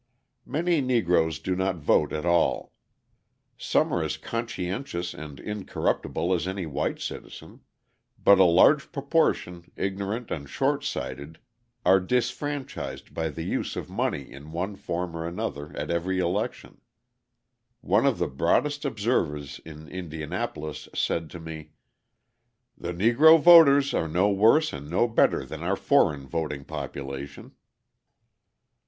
Many Negroes do not vote at all; some are as conscientious and incorruptible as any white citizen; but a large proportion, ignorant and short sighted, are disfranchised by the use of money in one form or another at every election. One of the broadest observers in Indianapolis said to me: "The Negro voters are no worse and no better than our foreign voting population."